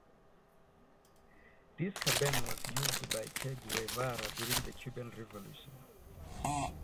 This carbine was used by Che Guevara during the Cuban Revolution.